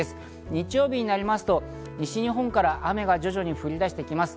日曜日になりますと西日本から雨が徐々に降り出してきます。